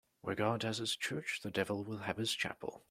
Where God has his church, the devil will have his chapel.